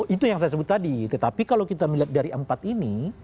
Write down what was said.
itu yang saya sebut tadi tetapi kalau kita melihat dari empat ini